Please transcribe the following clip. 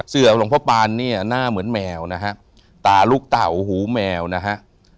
เสือหลวงพ่อปานเนี่ยหน้าเหมือนแมวนะฮะตาลูกเต่าหูแมวนะฮะ